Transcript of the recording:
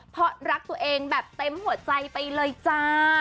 เพราะรักตัวเองแบบเต็มหัวใจไปเลยจ้า